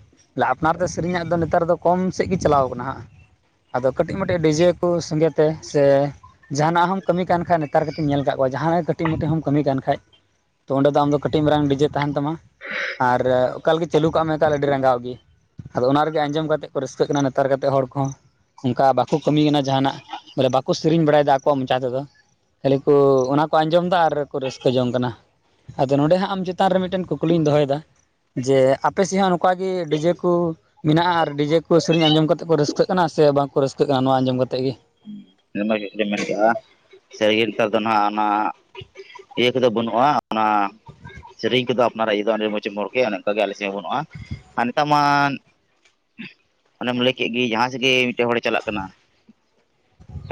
ᱟᱯᱱᱟᱨ ᱛᱮ ᱥᱮᱨᱮᱧᱟᱜ ᱫᱚ ᱱᱮᱛᱟᱨ ᱫᱚ ᱠᱚᱢ ᱥᱮᱜ ᱜᱮ ᱪᱟᱞᱟᱣ ᱠᱟᱱᱟ ᱦᱟᱸᱜ ᱟᱫᱚ ᱠᱟᱹᱴᱤᱡ ᱢᱟᱹᱴᱤᱡ ᱰᱤᱡᱮ ᱠᱚ ᱥᱚᱸᱜᱮ ᱛᱮ ᱥᱮ ᱡᱟᱦᱟᱸᱱᱟᱜ ᱦᱚᱢ ᱠᱟᱹᱢᱤ ᱠᱟᱱ ᱠᱷᱟᱱ ᱱᱮᱛᱟᱨ ᱠᱟᱛᱮᱧ ᱧᱮᱞ ᱠᱟᱜ ᱠᱚᱣᱟ ᱡᱟᱦᱟᱸᱱᱟᱜ ᱜᱮ ᱠᱟᱹᱴᱤᱡ ᱢᱟᱹᱴᱤᱡ ᱦᱚᱸᱢ ᱠᱟᱹᱢᱤ ᱠᱟᱱ ᱠᱷᱟᱡ ᱛᱚ ᱚᱸᱰᱮ ᱫᱚ ᱟᱢᱫᱚ ᱠᱟᱹᱴᱤᱡ ᱢᱟᱨᱟᱝ ᱰᱤᱡᱮ ᱛᱟᱦᱮᱸᱱ ᱛᱟᱢᱟ ᱟᱨ ᱚᱠᱟᱞ ᱜᱮ ᱪᱟᱹᱞᱩ ᱠᱟᱜ ᱢᱮ ᱮᱠᱟᱞ ᱟᱹᱰᱤ ᱨᱟᱸᱜᱟᱣ ᱜᱤ ᱟᱫᱚ ᱚᱱᱟ ᱨᱮᱜᱮ ᱟᱸᱡᱚᱢ ᱠᱟᱛᱮᱜ ᱠᱚ ᱨᱟᱹᱥᱠᱟᱹᱜ ᱠᱟᱱᱟ ᱱᱮᱛᱟᱨ ᱠᱟᱛᱮᱜ ᱦᱚᱲ ᱠᱚᱦᱚᱸ ᱚᱝᱠᱟ ᱵᱟᱠᱚ ᱠᱟᱹᱢᱤᱭ ᱠᱟᱱᱟ ᱡᱟᱦᱟᱸᱱᱟᱜ ᱵᱚᱞᱮ ᱵᱟᱠᱚ ᱥᱮᱨᱮᱧ ᱵᱟᱲᱟᱭ ᱫᱟ ᱟᱠᱚᱣᱟᱜ ᱢᱚᱪᱟ ᱛᱮᱫᱚ ᱠᱷᱟᱹᱞᱤ ᱠᱚ ᱚᱱᱟ ᱠᱚ ᱟᱸᱡᱚᱢ ᱫᱟ ᱟᱨ ᱠᱚ ᱨᱟᱹᱥᱠᱟᱹ ᱡᱚᱝ ᱠᱟᱱᱟ ᱟᱫᱚ ᱱᱚᱰᱮ ᱦᱟᱸᱜ ᱟᱢ ᱪᱮᱛᱟᱱ ᱨᱮ ᱢᱤᱜᱴᱮᱱ ᱠᱩᱠᱞᱤᱧ ᱫᱚᱦᱚᱭᱮ ᱡᱮ ᱟᱯᱮ ᱥᱮᱜ ᱦᱚᱸ ᱱᱚᱝᱠᱟ ᱜᱮ ᱰᱤᱡᱮ ᱠᱚ ᱢᱮᱱᱟᱜ ᱟ ᱟᱨ ᱰᱤᱡᱮ ᱠᱚ ᱥᱮᱨᱮᱧ ᱟᱸᱡᱚᱢ ᱠᱟᱛᱮᱜ ᱠᱚ ᱨᱟᱹᱥᱠᱟᱹᱜ ᱠᱟᱱᱟ ᱥᱮ ᱵᱟᱝ ᱠᱚ ᱨᱟᱹᱥᱠᱟᱹᱜ ᱠᱟᱱᱟ ᱱᱚᱣᱟ ᱟᱸᱡᱚᱢ ᱠᱟᱛᱮᱜ ᱜᱮ ᱢᱮᱱ ᱢᱟ ᱡᱩᱛᱜᱮᱢ ᱢᱮᱱ ᱠᱟᱜ ᱟ ᱥᱟᱹᱨᱜᱮ ᱱᱮᱛᱟᱨ ᱫᱚ ᱱᱟᱦᱟᱜ ᱟᱱᱟᱜ ᱤᱭᱟᱹ ᱠᱚᱫᱚ ᱵᱟᱹᱱᱩᱜ ᱟ ᱚᱱᱟ ᱥᱮᱨᱮᱧ ᱠᱚᱫᱚ ᱟᱯᱱᱟᱨᱟᱜ ᱤᱭᱟᱹ ᱫᱚ ᱟᱹᱰᱤ ᱢᱚᱡᱽ ᱮᱢ ᱚᱨ ᱠᱮᱜ ᱟ ᱚᱱᱮ ᱚᱱᱠᱟ ᱜᱮ ᱟᱞᱮ ᱥᱮᱜ ᱦᱚᱸ ᱵᱟᱹᱱᱩᱜ ᱟ ᱟᱨ ᱱᱮᱛᱟᱜ ᱢᱟᱱ ᱚᱱᱮᱢ ᱞᱟᱹᱭ ᱠᱮᱜ ᱜᱤ ᱡᱟᱦᱟᱸ ᱥᱮᱜ ᱜᱤ ᱢᱤᱫᱴᱮᱡ ᱦᱚᱲᱮ ᱪᱟᱞᱟᱜ ᱠᱟᱱᱟ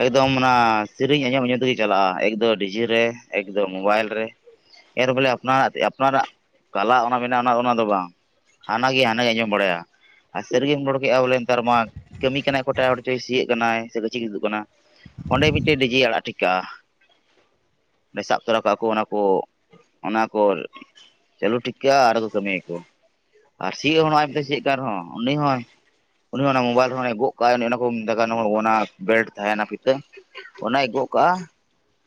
ᱮᱠᱫᱚᱢ ᱚᱱᱟ ᱥᱤᱨᱤᱧ ᱟᱸᱡᱚᱢ ᱟᱸᱡᱚᱢ ᱛᱮᱜᱮ ᱪᱟᱞᱟᱜᱼᱟ ᱮᱠ ᱫᱚ ᱰᱤᱡᱤ ᱨᱮ ᱮᱠ ᱫᱚ ᱢᱳᱵᱟᱭᱤᱞ ᱨᱮ ᱮᱨ ᱵᱚᱞᱮ ᱟᱯᱱᱟᱨᱟᱜ ᱪᱮᱜ ᱟᱯᱱᱟᱨᱟᱜ ᱠᱟᱞᱟ ᱚᱱᱟ ᱢᱮᱱᱟᱜᱼᱟ ᱚᱱᱟ ᱚᱱᱟ ᱫᱚ ᱵᱟᱝ ᱦᱟᱱᱟᱜᱮ ᱦᱟᱱᱟᱭ ᱟᱸᱡᱚᱢ ᱵᱟᱲᱟᱭᱟ ᱟᱨ ᱥᱟᱹᱨᱤᱜᱮᱢ ᱨᱚᱲ ᱠᱮᱜ ᱟ ᱵᱚᱞᱮ ᱱᱮᱛᱟᱨ ᱢᱟ ᱠᱟᱹᱢᱤ ᱠᱟᱱᱟᱭ ᱠᱚᱭᱴᱟᱜ ᱦᱚᱲᱪᱚᱭ ᱥᱤᱭᱳᱜ ᱠᱟᱱᱟᱭ ᱥᱮ ᱜᱟᱹᱪᱷᱤ ᱜᱮ ᱛᱩᱫᱩᱜ ᱠᱟᱱᱟ ᱚᱸᱰᱮ ᱢᱤᱜᱴᱮᱡ ᱰᱤᱡᱮ ᱟᱲᱟᱜ ᱴᱤᱠᱠᱟᱜ-ᱟ ᱥᱟᱵ ᱛᱚᱨᱟ ᱠᱟᱜ ᱟ ᱠᱩ ᱚᱱᱟ ᱠᱚ ᱚᱱᱟ ᱠᱚ ᱪᱟᱹᱞᱩ ᱴᱷᱤᱠᱠᱟᱜ ᱟ ᱟᱨ ᱦᱚᱸ ᱠᱚ ᱠᱟᱹᱢᱤᱭᱟᱹᱠᱚ ᱟᱨ ᱥᱤᱦᱚᱸᱜ ᱦᱚᱸ [unintelligible] ᱥᱤᱭᱚᱜ ᱠᱟᱱ ᱨᱮᱦᱚᱸ ᱩᱱᱤ ᱦᱚᱸᱭ ᱩᱱᱤ ᱦᱚᱸ ᱚᱱᱟ ᱢᱳᱵᱟᱭᱤᱞ ᱨᱮᱭ ᱜᱚᱜ ᱠᱟᱜᱟᱭ ᱩᱱᱤ ᱚᱱᱟ ᱠᱚ ᱢᱮᱛᱟᱜᱟᱜ ᱱᱚᱣᱟ ᱚᱱᱟ ᱵᱮᱞᱴ ᱛᱟᱦᱮᱱᱟ ᱯᱤᱛᱟᱹ ᱚᱱᱟᱭ ᱜᱚᱜ ᱠᱟᱜ ᱟ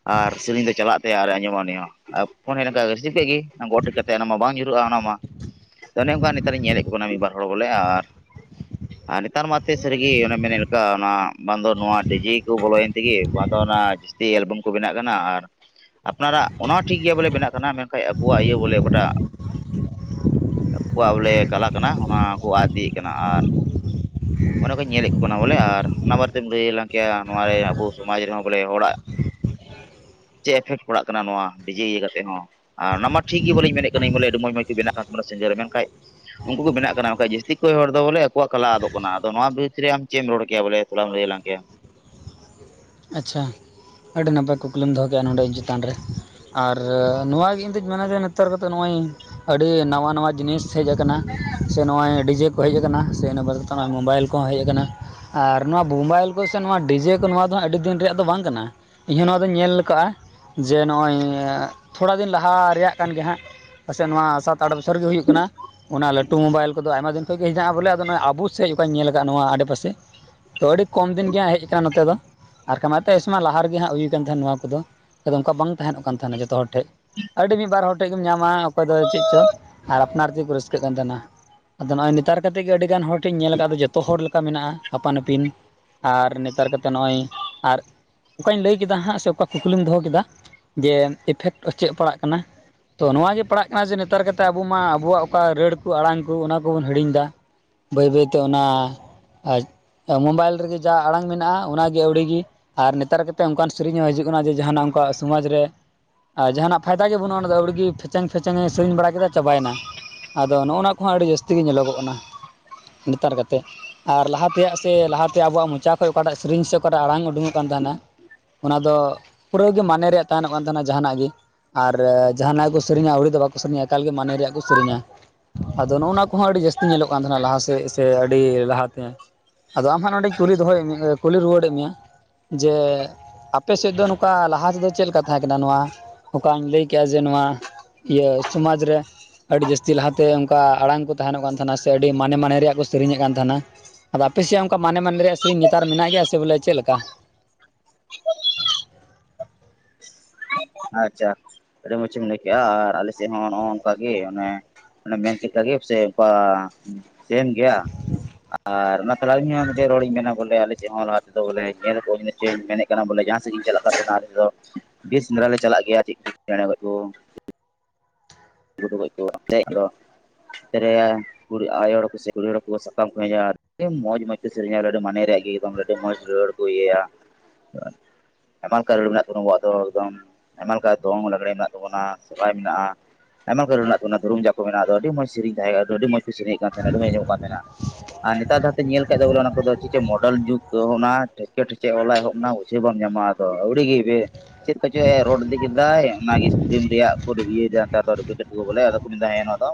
ᱟᱨ ᱥᱮᱨᱮᱧ ᱫᱚ ᱪᱟᱞᱟᱜ ᱛᱟᱭᱟ ᱟᱨ ᱮ ᱟᱸᱡᱚᱢᱟ ᱩᱱᱤ ᱦᱚᱸ ᱟᱨ ᱯᱷᱳᱱ ᱦᱮᱡ ᱞᱮᱠᱷᱟᱡ ᱜᱮ ᱨᱤᱥᱤᱵ ᱠᱮᱜ ᱜᱮ ᱜᱚᱜ ᱴᱷᱤᱠ ᱠᱟᱛᱮ ᱮᱱᱟᱝ ᱢᱟ ᱵᱟᱝ ᱧᱩᱨᱩᱜᱼᱟ ᱚᱱᱟ ᱢᱟ ᱚᱱᱮ ᱚᱱᱠᱟ ᱱᱮᱛᱟᱨᱤᱧ ᱧᱮᱞᱮᱜ ᱠᱚ ᱠᱟᱱᱟ ᱢᱤᱫ ᱵᱟᱨ ᱦᱚᱲ ᱵᱚᱞᱮ ᱟᱨ ᱱᱮᱛᱟᱨ ᱢᱟᱛᱮ ᱥᱟᱹᱨᱤᱜᱤ ᱚᱱᱮ ᱢᱮᱱᱮᱜ ᱞᱮᱠᱟ ᱚᱱᱟ ᱵᱟᱝ ᱫᱚ ᱱᱚᱣᱟ ᱰᱤᱡᱮ ᱠᱚ ᱵᱚᱞᱚᱭᱮᱱ ᱛᱤᱜᱮ ᱵᱟᱝ ᱫᱚ ᱚᱱᱟ ᱡᱟᱹᱥᱛᱤ ᱮᱞᱵᱟᱢ ᱠᱚ ᱵᱮᱱᱟᱜ ᱠᱟᱱᱟ ᱟᱨ ᱟᱯᱱᱟᱨᱟᱜ ᱚᱱᱟ ᱦᱚᱸ ᱴᱷᱤᱠ ᱜᱮᱭᱟ ᱵᱚᱞᱮ ᱵᱮᱱᱟᱜ ᱠᱟᱱᱟ ᱢᱮᱱᱠᱷᱟᱡ ᱟᱵᱚᱣᱟᱜ ᱤᱭᱟᱹ ᱵᱚᱞᱮ ᱚᱠᱟᱴᱟᱜ, ᱟᱠᱩᱣᱟᱜ ᱵᱚᱞᱮ ᱠᱟᱞᱟ ᱠᱟᱱᱟ ᱚᱱᱟ ᱠᱚ ᱟᱫ ᱤᱫᱤᱭᱮᱜ ᱠᱟᱱᱟ ᱟᱨ, ᱚᱱᱟ ᱠᱚᱧ ᱧᱮᱞᱮᱜ ᱠᱚ ᱠᱟᱱᱟ ᱵᱚᱞᱮ ᱟᱨ ᱚᱱᱟ ᱵᱟᱨᱮᱛᱮᱢ ᱞᱟᱹᱭ ᱟᱞᱟᱝ ᱠᱮᱭᱟ ᱱᱚᱣᱟ ᱨᱮ ᱟᱵᱚ ᱥᱚᱢᱟᱡᱽ ᱨᱮᱦᱚᱸ ᱵᱚᱞᱮ ᱦᱚᱲᱟᱜ ᱪᱮᱜ ᱮᱯᱷᱮᱴ ᱯᱟᱲᱟᱜ ᱠᱟᱱᱟ ᱱᱚᱣᱟ ᱰᱤᱡᱮ ᱤᱭᱟᱹ ᱠᱟᱛᱮ ᱦᱚᱸ? ᱟᱨ ᱚᱱᱟ ᱢᱟ ᱴᱷᱤᱠ ᱜᱮ ᱵᱚᱞᱮᱧ ᱢᱮᱱᱮᱜ ᱠᱟᱹᱱᱟᱹᱧ ᱵᱚᱞᱮ ᱟᱹᱰᱤ ᱢᱚᱡᱽ ᱢᱚᱡᱽ ᱠᱚ ᱵᱮᱱᱟᱜ ᱠᱟᱱ ᱛᱟᱵᱚᱱᱟ ᱥᱤᱧᱡᱟᱨ ᱢᱮᱱᱠᱷᱟᱡ, ᱩᱱᱠᱩ ᱠᱚ ᱵᱮᱱᱟᱜ ᱠᱟᱱᱟ ᱵᱟᱝ ᱠᱷᱟᱡ ᱡᱟᱹᱥᱛᱤ ᱠᱚᱭ ᱦᱚᱲ ᱫᱚ ᱵᱚᱞᱮ ᱟᱠᱚᱣᱟᱜ ᱠᱟᱞᱟ ᱟᱫᱚᱜ ᱠᱟᱱᱟ᱾ ᱛᱚ ᱱᱚᱣᱟ ᱵᱤᱨᱩᱫ ᱨᱮ ᱟᱢ ᱪᱮᱜ ᱮᱢ ᱨᱚᱲ ᱠᱮᱭᱟ ᱵᱚᱞᱮ ᱛᱷᱚᱲᱟᱢ ᱞᱟᱹᱭ ᱟᱞᱟᱝ ᱠᱮᱭᱟ᱾ ᱟᱪᱪᱷᱟ ᱟᱹᱰᱤ ᱱᱟᱯᱟᱭ ᱠᱩᱠᱞᱤᱢ ᱫᱚᱦᱚ ᱠᱮᱜᱼᱟ ᱱᱚᱸᱰᱮ ᱤᱧ ᱪᱮᱛᱟᱱ ᱨᱮ᱾ ᱟᱨ ᱱᱚᱣᱟ ᱜᱮ ᱤᱧ ᱫᱩᱧ ᱢᱮᱱᱟ ᱡᱮ ᱱᱮᱛᱟᱨ ᱠᱟᱛᱮᱜ ᱱᱚᱜᱼᱚᱭ ᱟᱹᱰᱤ ᱱᱟᱣᱟ ᱱᱟᱣᱟ ᱡᱤᱱᱤᱥ, ᱦᱮᱡ ᱟᱠᱟᱱᱟ ᱥᱮ ᱱᱚᱜ ᱚᱭ ᱰᱤᱡᱮ ᱠᱚ ᱦᱮᱡ ᱟᱠᱟᱱᱟ ᱥᱮ ᱱᱤᱭᱟᱹ ᱵᱟᱫ ᱠᱟᱛᱮ ᱱᱚᱣᱟ ᱢᱳᱵᱟᱭᱤᱞ ᱠᱚᱦᱚᱸ ᱦᱮᱡ ᱟᱠᱟᱱᱟ ᱟᱨ ᱱᱚᱣᱟ ᱢᱳᱵᱟᱭᱤᱞ ᱠᱚ ᱥᱮ ᱱᱚᱣᱟ ᱰᱤᱡᱮ ᱠᱚ ᱱᱚᱣᱟ ᱟᱹᱰᱤ ᱫᱤᱱ ᱨᱮᱭᱟᱜ ᱫᱚ ᱵᱟᱝ ᱠᱟᱱᱟ ᱤᱧ ᱦᱚᱸ ᱱᱚᱣᱟ ᱫᱚᱧ ᱧᱮᱞ ᱟᱠᱟᱜᱼᱟ, ᱡᱮ ᱱᱚᱜᱼᱚᱭ ᱛᱷᱚᱲᱟ ᱫᱤᱱ ᱞᱟᱦᱟ ᱨᱮᱭᱟᱜ ᱠᱟᱱ ᱜᱮ ᱦᱟᱸᱜ, ᱯᱟᱥᱮᱜ ᱱᱚᱣᱟ ᱥᱟᱛ ᱟᱴ ᱵᱚᱪᱷᱚᱨ ᱜᱮ ᱦᱩᱭᱩᱜ ᱠᱟᱱᱟ᱾ ᱚᱱᱟ ᱞᱟᱹᱴᱩ ᱢᱳᱵᱟᱭᱤᱞ ᱠᱚᱫᱚ ᱟᱭᱢᱟ ᱫᱤᱱ ᱠᱷᱚᱡ ᱜᱮ ᱦᱮᱱᱟᱜᱼᱟ ᱵᱚᱞᱮ ᱟᱫᱚ ᱱᱚᱜ ᱚᱭ ᱟᱵᱚ ᱥᱮᱜ ᱚᱠᱟᱧ ᱧᱮᱞ ᱟᱠᱟᱜᱼᱟ ᱱᱚᱣᱟ ᱟᱰᱮᱯᱟᱥᱮ ᱛᱚ ᱟᱹᱰᱤ ᱠᱚᱢ ᱫᱤᱱ ᱜᱮᱸ ᱦᱮᱡ ᱟᱠᱟᱱᱟ ᱱᱚᱛᱮ ᱫᱚ, ᱟᱨᱠᱷᱟ ᱢᱟᱛᱚ ᱤᱥᱢᱟ ᱞᱟᱦᱟ ᱨᱮᱜᱮ ᱦᱟᱸᱜ ᱦᱩᱭ ᱠᱟᱱ ᱛᱟᱦᱮᱱ ᱱᱚᱣᱟ ᱠᱚᱫᱚ ᱟᱫ ᱚᱱᱠᱟ ᱵᱟᱝ ᱛᱟᱦᱮᱱᱚᱜ ᱠᱟᱱ ᱛᱟᱦᱮᱱᱟ ᱡᱚᱛᱚ ᱦᱚᱲ ᱴᱷᱮᱡ᱾ ᱟᱹᱰᱤ ᱢᱤᱜ ᱵᱟᱨ ᱦᱚᱲ ᱴᱷᱮᱡ ᱜᱮᱢ ᱧᱟᱢᱟ᱾ ᱚᱠᱚᱭ ᱫᱚ ᱪᱮᱜ ᱪᱚ ᱟᱨ ᱟᱯᱱᱟᱨ ᱛᱮᱠᱚ ᱨᱟᱹᱥᱠᱟᱹᱜ ᱠᱟᱱ ᱛᱟᱦᱮᱱᱟ ᱟᱫᱚ ᱱᱚᱜ ᱚᱭ ᱱᱮᱛᱟᱨ ᱠᱟᱛᱮ ᱜᱮ ᱟᱹᱰᱤ ᱜᱟᱱ ᱦᱚᱲ ᱴᱷᱮᱜ ᱤᱧ ᱧᱮᱞ ᱟᱠᱟᱜ ᱟᱫᱚ ᱡᱚᱛᱚ ᱦᱚᱲ ᱞᱮᱠᱟ ᱢᱮᱱᱟᱜ ᱟ ᱟᱯᱟᱱ ᱟᱹᱯᱤᱱ ᱟᱨ ᱱᱮᱛᱟᱨ ᱠᱟᱛᱮ ᱱᱚᱜᱼᱚᱭ ᱟᱨ ᱚᱠᱟᱧ ᱞᱟᱹᱭ ᱠᱮᱫᱟ ᱦᱟᱸᱜ ᱥᱮ ᱚᱠᱟ ᱠᱩᱠᱞᱤᱢ ᱫᱚᱦᱚ ᱠᱮᱫᱟ, ᱡᱮ ᱤᱯᱷᱮᱠᱴ ᱚ ᱪᱮᱫ ᱯᱟᱲᱟᱜ ᱠᱟᱱᱟ᱾ ᱛᱚ ᱱᱚᱣᱟᱜ ᱜᱮ ᱯᱟᱲᱟᱜ ᱠᱟᱱᱟ ᱡᱮ ᱱᱮᱛᱟᱨ ᱠᱟᱛᱮᱫ ᱟᱵᱚ ᱢᱟ ᱟᱵᱚᱣᱟᱜ ᱚᱠᱟ ᱨᱟᱹᱲ ᱠᱚ ᱟᱲᱟᱝ ᱠᱚ ᱚᱱᱟ ᱠᱚᱵᱚᱱ ᱦᱤᱲᱤᱧ ᱫᱟ, ᱵᱟᱹᱭ ᱵᱟᱹᱭ ᱛᱮ ᱚᱱᱟ ᱢᱳᱵᱟᱭᱤᱞ ᱨᱮᱜᱮ ᱡᱟ ᱟᱲᱟᱝ ᱢᱮᱱᱟᱜᱼᱟ ᱚᱱᱟ ᱟᱹᱣᱲᱤ ᱜᱮ ᱟᱨ ᱱᱮᱛᱟᱨ ᱠᱟ ᱠᱟᱛᱮ ᱚᱱᱠᱟᱱ ᱥᱮᱨᱮᱧ ᱦᱚᱸ ᱦᱤᱡᱩᱜ ᱠᱟᱱᱟ ᱡᱮ ᱡᱟᱦᱟᱱᱟᱜ ᱚᱱᱠᱟᱣᱟᱜ ᱥᱚᱢᱟᱡᱽ ᱨᱮ ᱟᱨ ᱡᱟᱦᱟᱱᱟᱜ ᱯᱷᱟᱭᱫᱟ ᱜᱮ ᱵᱟᱹᱱᱩᱜ ᱚᱱᱟ ᱟᱹᱣᱨᱤ ᱜᱮ ᱯᱷᱮᱪᱮᱝ ᱯᱷᱮᱪᱮᱝ ᱮ ᱥᱮᱨᱮᱧ ᱵᱟᱲᱟ ᱠᱮᱫᱟ ᱪᱟᱵᱟᱭᱮᱱᱟ᱾ ᱟᱫᱚ ᱱᱚᱜᱼᱱᱟ ᱠᱚᱦᱚᱸ ᱟᱹᱰᱤ ᱡᱟᱹᱥᱛᱤ ᱜᱮ ᱧᱮᱞᱚᱜᱚᱜ ᱠᱟᱱᱟ᱾ ᱱᱮᱛᱟᱨ ᱠᱟᱛᱮᱜ ᱟᱨ ᱞᱟᱦᱟ ᱛᱮᱭᱟᱜ ᱥᱮ ᱞᱟᱦᱟ ᱛᱮ ᱟᱵᱚᱣᱟᱜ ᱢᱚᱪᱟ ᱠᱷᱚᱱ ᱚᱠᱟᱴᱟᱜ ᱥᱮᱨᱮᱧ ᱥᱮ ᱚᱠᱟᱴᱟᱜ ᱟᱲᱟᱝ ᱩᱰᱩᱝᱚᱜ ᱠᱟᱱ ᱛᱟᱦᱮᱱᱟ ᱚᱱᱟ ᱫᱚ ᱯᱩᱨᱟᱹ ᱜᱮ ᱢᱟᱱᱮ ᱨᱮᱭᱟᱜ ᱛᱟᱦᱮᱱᱚᱜ ᱠᱟᱱ ᱛᱟᱦᱮᱱᱟ ᱡᱟᱦᱟᱱᱟᱜ ᱜᱮ᱾ ᱟᱨ ᱡᱟᱦᱟᱱᱟᱜ ᱜᱮ ᱠᱚ ᱥᱮᱤᱨᱨᱮᱧᱟ ᱟᱹᱣᱲᱤ ᱫᱚ ᱵᱟᱠᱚ ᱥᱮᱨᱮᱧᱟ ᱮᱠᱟᱞ ᱜᱮ ᱢᱟᱱᱮ ᱨᱮᱭᱟᱜ ᱠᱚ ᱥᱮᱨᱮᱧᱟ᱾ ᱟᱫᱚ ᱱᱚᱜᱼᱱᱟ ᱠᱚᱦᱚᱸ ᱟᱹᱰᱤ ᱡᱟᱹᱥᱛᱤ ᱧᱮᱞᱚᱜ ᱠᱟᱱ ᱛᱟᱦᱮᱱᱟ ᱞᱟᱦᱟ ᱥᱮᱫ ᱥᱮ ᱟᱹᱰᱤ ᱞᱟᱦᱟᱛᱮ, ᱟᱫᱚ ᱟᱢ ᱦᱟᱸᱜ ᱱᱚᱰᱮᱧ ᱠᱩᱞᱤ ᱫᱚᱦᱚᱭᱮᱫ ᱢᱮ ᱠᱩᱞᱤ ᱨᱩᱣᱟᱹᱲᱮᱫ ᱢᱮᱭᱟ ᱡᱮ ᱟᱯᱮ ᱥᱮᱫ ᱫᱚ ᱱᱚᱝᱠᱟ ᱞᱟᱦᱟ ᱛᱮᱫᱚ ᱪᱮᱫ ᱞᱮᱠᱟ ᱛᱟᱦᱮᱸ ᱠᱟᱱᱟ ᱱᱚᱣᱟ ᱱᱚᱝᱠᱟᱧ ᱞᱟᱹᱭ ᱠᱮᱫᱼᱟ ᱡᱮ ᱱᱚᱣᱟ ᱤᱭᱟᱹ ᱥᱚᱢᱟᱡᱽ ᱨᱮ ᱟᱹᱰᱤ ᱡᱟᱹᱥᱛᱤ ᱞᱟᱦᱟᱛᱮ ᱚᱱᱠᱟ ᱟᱲᱟᱝ ᱠᱚ ᱛᱟᱦᱮᱱᱚᱜ ᱠᱟᱱ ᱛᱟᱦᱮᱱᱟ ᱥᱮ ᱟᱹᱰᱤ ᱢᱟᱱᱮ ᱢᱟᱱᱮ ᱨᱮᱭᱟᱜ ᱠᱚ ᱥᱮᱨᱮᱧᱮᱫ ᱠᱟᱱ ᱛᱟᱦᱮᱱᱟ, ᱟᱫᱚ ᱟᱯᱮᱮᱥᱭᱟᱜ ᱚᱱᱠᱟ ᱢᱟᱱᱮ ᱢᱟᱱᱮ ᱨᱮᱭᱟᱜ ᱥᱮᱨᱮᱧ ᱱᱮᱛᱟᱨ ᱢᱮᱱᱟᱜ ᱜᱮᱭᱟ ᱥᱮ ᱵᱚᱞᱮ ᱪᱮᱫ ᱞᱮᱠᱟ? ᱟᱪᱪᱷᱟ ᱟᱹᱰᱤ ᱢᱚᱸᱡ ᱮᱢ ᱞᱟᱹᱭ ᱠᱮᱫᱮᱜᱼᱟ ᱟᱨ ᱟᱞᱮ ᱥᱮᱫ ᱦᱚᱸ ᱱᱚᱜᱼᱚ ᱱᱚᱝᱠᱟ ᱜᱮ ᱚᱱᱮ [unintelligible] ᱜᱮ ᱥᱮ ᱚᱠᱟ ᱥᱮᱢ ᱜᱮᱭᱟ ᱟᱨ ᱚᱱᱟ ᱛᱟᱦᱚᱞᱮ ᱟᱹᱞᱤᱧ ᱦᱚᱸ ᱢᱤᱫᱴᱮᱡ ᱨᱚᱲᱤᱧ ᱢᱮᱱᱟ ᱵᱚᱞᱮ ᱟᱞᱮ ᱥᱮᱫ ᱦᱚᱸ ᱞᱟᱦᱟ ᱟᱫᱚ ᱵᱚᱞᱮ ᱧᱮᱞ ᱠᱚᱣᱟᱧ ᱪᱧ ᱢᱮᱱᱮᱫ ᱠᱟᱱᱟ ᱵᱚᱞᱮ ᱡᱟᱦᱟᱸ ᱥᱮᱫ ᱤᱧ ᱪᱟᱞᱟᱜ ᱠᱟᱱ ᱮᱱᱟ ᱛᱮᱫᱚ ᱥᱮᱸᱫᱽᱨᱟ ᱞᱮ ᱪᱟᱞᱟᱜ ᱜᱮᱭᱟ ᱪᱮᱫ ᱪᱮᱬᱮ ᱠᱚ, ᱜᱩᱰᱩᱚᱡ ᱠᱚ ᱠᱚ ᱛᱮᱨᱮᱭᱟ ᱟᱭᱳ ᱦᱚᱲ ᱠᱚ ᱥᱮ ᱠᱩᱲᱤ ᱦᱚᱲ ᱠᱚ ᱥᱟᱠᱟᱢ ᱠᱚ ᱦᱮᱡᱼᱟ᱾ ᱟᱹᱰᱤ ᱢᱚᱸᱡᱽ ᱢᱚᱸᱡᱽᱛᱮ ᱥᱮᱨᱮᱧᱟ ᱟᱹᱰᱤ ᱢᱚᱱᱮᱨᱮ ᱟᱜᱤ ᱠᱟᱛᱟᱢ ᱞᱮ ᱟᱹᱰᱤ ᱢᱚᱡᱽ ᱨᱟᱹᱲ ᱠᱚ ᱤᱭᱟᱹᱭᱟ᱾ ᱟᱭᱢᱟ ᱞᱮᱠᱟ ᱨᱟᱹᱲᱩ ᱢᱮᱱᱟᱜ ᱛᱟᱵᱚᱱᱟ ᱟᱵᱚᱣᱟᱜ ᱫᱚ ᱮᱠᱫᱚᱢ ᱟᱭᱢᱟ ᱞᱮᱠᱟ ᱫᱚᱝ ᱞᱟᱜᱽᱲᱮ ᱢᱮᱱᱟᱜ ᱛᱟᱵᱚᱱᱟ ᱥᱚᱦᱚᱨᱟᱭ ᱢᱮᱱᱟᱜᱼᱟ᱾ ᱟᱭᱢᱟ ᱠᱟᱨ ᱨᱮᱱᱟᱜ ᱫᱷᱩᱢ ᱡᱟ ᱠᱚ ᱢᱮᱱᱟᱜᱼᱟ ᱫᱚ ᱟᱹᱰᱤ ᱢᱚᱡᱽ ᱥᱮᱨᱮᱧ ᱛᱟᱦᱮᱸᱜ ᱟᱹᱰᱤ ᱢᱚᱡᱽ ᱥᱮᱨᱮᱧ ᱠᱟᱱ ᱛᱟᱦᱮᱱᱟ ᱟᱹᱰᱤ ᱢᱚᱸᱪ ᱟᱸᱢᱚᱢᱚᱜ ᱠᱟᱱ ᱛᱟᱦᱮᱱᱟ ᱟᱨ ᱱᱮᱛᱟᱨ ᱡᱟᱦᱟᱸᱧ ᱧᱮᱞ ᱠᱮᱫ ᱵᱚᱞᱮ ᱚᱱᱟ ᱠᱚᱫᱚ ᱪᱮᱫ ᱢᱚᱰᱟᱱ ᱡᱩᱜᱽ ᱠᱚ ᱚᱱᱟ ᱴᱷᱮᱠᱮ ᱴᱷᱮᱠᱮ ᱚᱞ ᱮᱦᱚᱵᱱᱟ ᱩᱡᱷᱟᱹ ᱵᱟᱢ ᱧᱟᱢᱟ᱾ ᱛᱚ ᱟᱹᱣᱲᱤᱜ ᱜᱮ ᱪᱮᱫ ᱠᱚᱪᱚᱭ ᱮ ᱨᱚᱰ ᱤᱫᱤ ᱠᱮᱫᱟᱭ ᱚᱱᱟᱜᱮ ᱥᱨᱤᱤᱢ ᱨᱮᱭᱟᱜ ᱠᱚ ᱤᱭᱟᱹᱭᱮᱫᱟ᱾ ᱨᱩᱜᱩ ᱪᱩᱜᱩ ᱵᱚᱞᱮ ᱟᱫᱚ ᱠᱚ ᱢᱮᱱᱫᱟ ᱱᱚᱣᱟ ᱫᱚ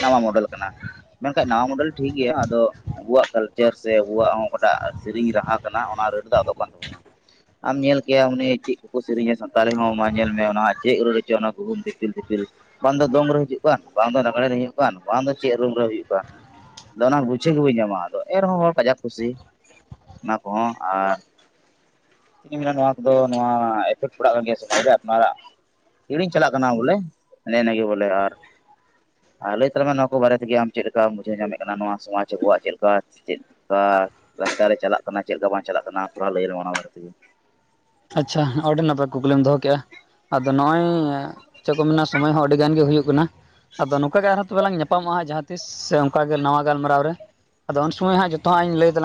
ᱱᱟᱣᱟ ᱢᱚᱰᱮᱞ ᱠᱟᱱᱟ᱾ ᱢᱮᱱᱠᱷᱟᱡ ᱱᱟᱣᱟ ᱢᱚᱰᱮᱞ ᱴᱷᱤᱠ ᱜᱮᱭᱟ ᱟᱫᱚ ᱟᱵᱚᱣᱟᱜ ᱠᱟᱞᱪᱟᱨ ᱥᱮ ᱟᱵᱚᱣᱟᱜ ᱦᱚᱸ ᱚᱠᱟᱴᱟᱜ ᱥᱮᱨᱮᱧ ᱨᱟᱦᱟ ᱠᱟᱱᱟ ᱚᱱᱟ ᱨᱟᱹᱴ ᱫᱚ ᱟᱫᱚᱜ ᱠᱟᱱ ᱛᱟᱵᱚᱱᱟ ᱟᱢ ᱧᱮᱞ ᱠᱮᱭᱟ ᱩᱱᱤ ᱪᱮᱫ ᱠᱚᱠᱚ ᱥᱮᱨᱮᱧᱟ ᱥᱟᱱᱛᱟᱲᱤ ᱦᱚᱸ ᱢᱟ ᱧᱮᱞ ᱢᱮ ᱚᱱᱟ ᱪᱮᱫ ᱨᱟᱹᱲ ᱦᱚᱪᱚ ᱚᱱᱟ ᱜᱩᱦᱩᱢ ᱫᱤᱯᱤᱞ ᱫᱤᱯᱤᱞ ᱵᱟᱝ ᱫᱚ ᱫᱚᱝ ᱨᱩ ᱦᱤᱡᱩᱜ ᱠᱟᱱ ᱵᱟᱝ ᱫᱚ ᱞᱟᱜᱽᱲᱮ ᱨᱩ ᱦᱤᱡᱩᱜ ᱠᱟᱱ ᱵᱟᱝ ᱫᱚ ᱪᱮᱫ ᱨᱩᱢ ᱨᱮ ᱦᱩᱭᱩᱜ ᱠᱟᱱ ᱟᱫᱚ ᱚᱱᱟ ᱜᱩᱪᱷᱟᱹ ᱜᱮ ᱵᱟᱹᱧ ᱧᱟᱢᱟ ᱟᱫᱚ ᱮᱱᱨᱮᱦᱚᱸ ᱦᱚᱲ ᱠᱟᱡᱟᱠ ᱠᱩᱥᱤ ᱚᱱᱟ ᱠᱚᱦᱚᱸ ᱟᱨ ᱤᱧ ᱢᱮᱱᱟ ᱱᱚᱣᱟ ᱠᱚᱫᱚ ᱱᱚᱣᱟ ᱮᱯᱷᱮᱠᱴ ᱯᱟᱲᱟᱜ ᱠᱟᱱ ᱜᱮᱭᱟ ᱥᱮ ᱥᱚᱢᱟᱡᱽ ᱨᱮ ᱟᱯᱱᱟᱨᱟᱜ ᱦᱤᱲᱤᱧ ᱪᱟᱞᱟᱜ ᱠᱟᱱᱟ ᱵᱚᱞᱮ ᱚᱱᱮ ᱤᱱᱟᱹ ᱜᱮ ᱵᱚᱞᱮ ᱟᱨ ᱟᱨ ᱞᱟᱹᱭ ᱛᱟᱞᱟᱝ ᱢᱮ ᱱᱚᱣᱟ ᱠᱚ ᱵᱟᱨᱮ ᱛᱮᱜᱮ ᱟᱢ ᱪᱮᱫ ᱞᱮᱠᱟᱢ ᱵᱩᱡᱷᱟᱹᱣ ᱧᱟᱢᱮᱫ ᱠᱟᱱᱟ ᱱᱚᱣᱟ ᱥᱚᱢᱟᱡᱽ ᱟᱵᱚᱣᱟᱜ ᱪᱮᱫ ᱞᱮᱠᱟ ᱥᱮ ᱪᱮᱫ ᱚᱠᱟ ᱨᱟᱥᱛᱟ ᱨᱮ ᱪᱟᱞᱟᱜ ᱠᱟᱱᱟ ᱪᱮᱫᱮᱠᱟ ᱵᱟᱝ ᱪᱟᱞᱟᱜ ᱠᱟᱱᱟ ᱛᱷᱚᱲᱟ ᱞᱟᱹᱭᱟ ᱞᱮᱢᱮ ᱚᱱᱟ ᱵᱟᱨᱮ ᱛᱮᱜᱮ ᱟᱪᱪᱷᱟ ᱟᱹᱰᱤ ᱱᱟᱯᱟᱭ ᱠᱩᱠᱞᱤᱢ ᱫᱚᱦᱚ ᱠᱮᱫᱼᱟ ᱟᱫᱚ ᱱᱚᱜᱼᱚᱭ ᱪᱮᱫ ᱠᱚ ᱢᱮᱱᱟ ᱥᱚᱢᱚᱭ ᱦᱚᱸ ᱟᱹᱰᱤ ᱜᱟᱱ ᱜᱮ ᱦᱩᱭᱩᱜ ᱠᱟᱱᱟ ᱟᱫᱚ ᱱᱚᱝᱠᱟ ᱜᱮ ᱟᱨᱦᱚᱸ ᱛᱚᱵᱮ ᱞᱟᱝ ᱧᱟᱯᱟᱢᱚᱜᱼᱟ ᱡᱟᱦᱟᱸ ᱛᱤᱥ ᱥᱮ ᱚᱱᱠᱟ ᱜᱮ ᱱᱟᱣᱟ ᱜᱟᱞᱢᱟᱨᱟᱣ ᱨᱮ ᱟᱫᱚ ᱩᱱ ᱥᱚᱢᱚᱭ ᱦᱟᱸᱜ ᱡᱚᱛᱚᱣᱟᱜ ᱤᱧ ᱞᱟᱹᱭ ᱛᱟᱞᱟᱝᱟ